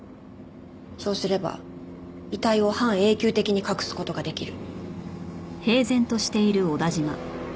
そうすれば遺体を半永久的に隠す事ができる。